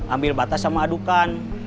ambil batas sama adukan